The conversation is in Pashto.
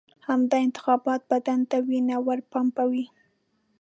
همدا انتخابات بدن ته وینه ورپمپوي.